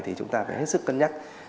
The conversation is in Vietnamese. thì chúng ta phải hết sức cân nhắc